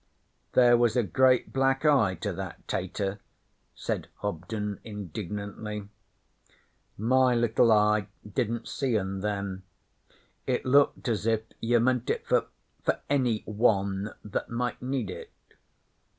'There was a great black eye to that tater,' said Hobden indignantly. 'My liddle eye didn't see un, then. It looked as if you meant it for for Any One that might need it.